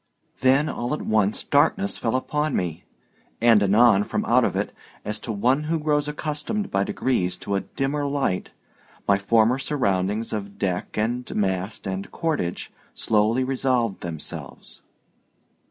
Then all at once darkness fell upon me, and anon from out of it, as to one who grows accustomed by degrees to a dimmer light, my former surroundings of deck and mast and cordage slowly resolved themselves.